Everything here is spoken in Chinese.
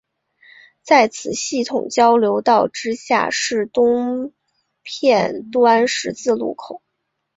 在此系统交流道之下是东片端十字路口。